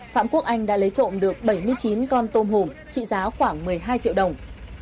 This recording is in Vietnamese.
phạm quốc anh đã lấy trộm được bảy mươi chín con tôm hùm trị giá khoảng một mươi hai triệu đồng